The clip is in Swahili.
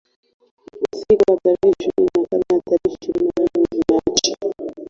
Usiku wa tarehe ishirini na saba na tarehe ishirini nane mwezi Machi